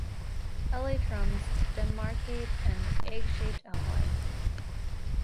Elytrums demarcate an egg-shaped outline.